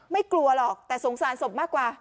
กลัวหรอกแต่สงสารศพมากกว่า